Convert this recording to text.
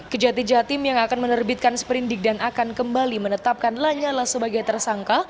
kejati jatim yang akan menerbitkan sprindik dan akan kembali menetapkan lanyala sebagai tersangka